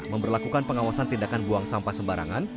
memperlakukan pengawasan tindakan buang sampah sembarangan